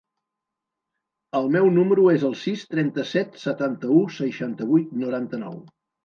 El meu número es el sis, trenta-set, setanta-u, seixanta-vuit, noranta-nou.